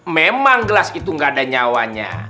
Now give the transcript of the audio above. memang gelas itu gak ada nyawanya